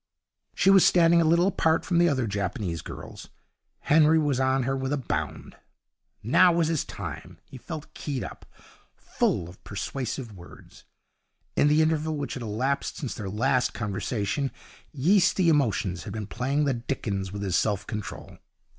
She was standing a little apart from the other Japanese girls. Henry was on her with a bound. Now was his time. He felt keyed up, full of persuasive words. In the interval which had elapsed since their last conversation yeasty emotions had been playing the dickens with his self control.